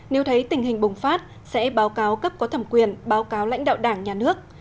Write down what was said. nếu thấy tình hình bùng phát sẽ báo cáo cấp có thẩm quyền báo cáo lãnh đạo đảng nhà nước